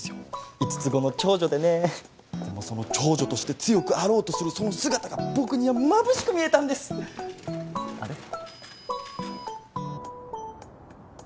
五つ子の長女でねでもその長女として強くあろうとするその姿が僕にはまぶしく見えたんですあれっ？